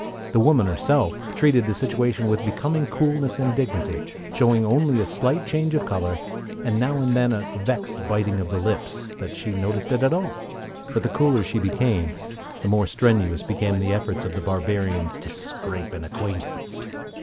The woman herself treated the situation with becoming coolness and dignity, showing only by a slight change of color, and now and then a vexed biting of the lips, that she noticed it at all; but the cooler she became the more strenuous became the efforts of the barbarians to "scrape an acquaintance."